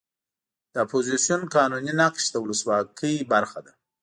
د اپوزیسیون قانوني نقش د ولسواکۍ برخه ده.